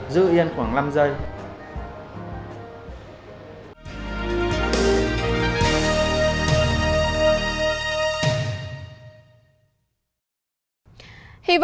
động tác thứ năm